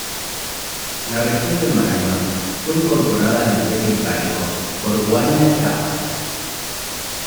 La región de Marañón fue incorporada al imperio incaico por Huayna Cápac.